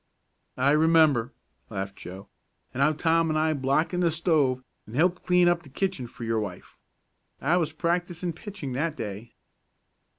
"I remember," laughed Joe. "And how Tom and I blackened the stove, and helped clean up the kitchen for your wife. I was practising pitching that day."